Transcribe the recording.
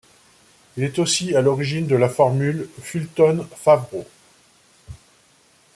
Il est aussi à l'origine de la formule Fulton-Favreau.